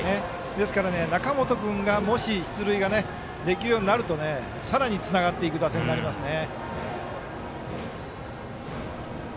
ですから、中本君が出塁ができるようになるとさらに、つながっていく打線になりますね。